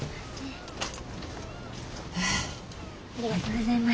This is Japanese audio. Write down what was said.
ありがとうございます。